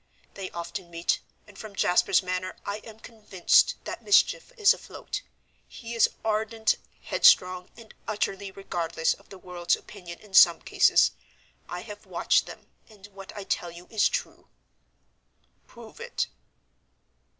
They often meet, and from Jasper's manner I am convinced that mischief is afloat. He is ardent, headstrong, and utterly regardless of the world's opinion in some cases. I have watched them, and what I tell you is true." "Prove it."